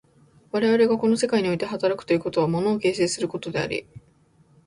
我々がこの世界において働くということは、物を形成することであり、私が行為的直観的に物を見、物を見るから働くというのは、